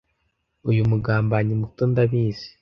uyu mugambanyi muto ndabizi